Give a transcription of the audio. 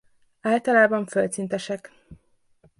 Általában földszintesek.